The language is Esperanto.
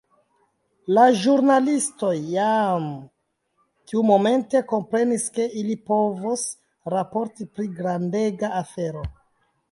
La ĵurnalistoj jam tiumomente komprenis ke ili povos raporti pri grandega afero.